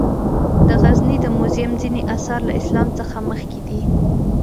د غزني د موزیم ځینې آثار له اسلام څخه مخکې دي.